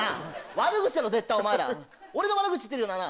悪口だろ絶対お前ら俺の悪口言ってるよな？